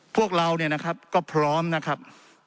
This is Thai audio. พวกเราเนี่ยนะครับก็พร้อมนะครับ